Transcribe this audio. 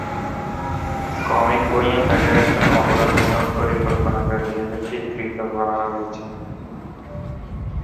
Comic বইয়ে তাকে একজন অপরাধমূলক পরিকল্পনাকারী হিসেবে চিত্রিত করা হয়েছে।